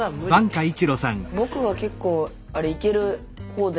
ぼくは結構あれいける方で。